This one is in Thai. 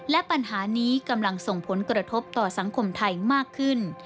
และปัญหานี้กำลังส่งผลกระทบต่อสังคมไทยมากขึ้น